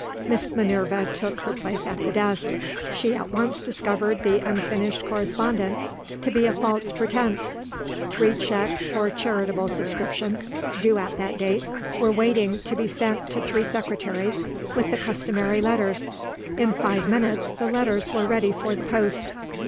Miss Minerva took her place at the desk. She at once discovered the unfinished correspondence to be a false pretence. Three cheques for charitable subscriptions, due at that date, were waiting to be sent to three secretaries, with the customary letters. In five minutes, the letters were ready for the post.